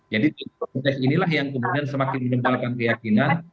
jadi ini lah yang kemudian semakin menyebalkan keyakinan